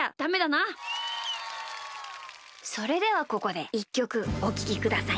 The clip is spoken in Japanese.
それではここで１きょくおききください。